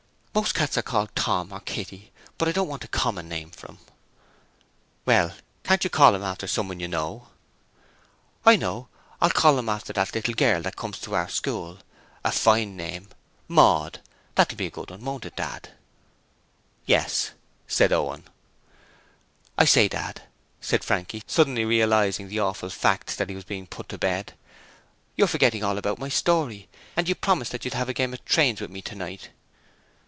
'Most cats are called Tom or Kitty, but I don't want a COMMON name for him.' 'Well, can't you call him after someone you know?' 'I know; I'll call him after a little girl that comes to our school; a fine name, Maud! That'll be a good one, won't it Dad?' 'Yes,' said Owen. 'I say, Dad,' said Frankie, suddenly realizing the awful fact that he was being put to bed. 'You're forgetting all about my story, and you promised that you'd have a game of trains with me tonight.'